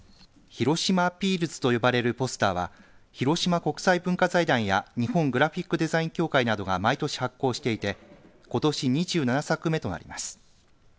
ヒロシマ・アピールズと呼ばれるポスターは広島国際文化財団や日本グラフィックデザイン協会などが毎年発行していてことし２７作目となります。